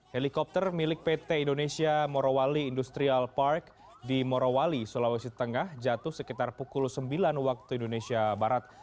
helikopter milik pt indonesia morowali industrial park di morowali sulawesi tengah jatuh sekitar pukul sembilan waktu indonesia barat